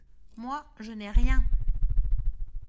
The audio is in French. Moi, je n’ai rien !